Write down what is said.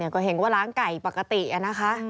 ก็เห็นว่าล้างไก่ปกตินะคะ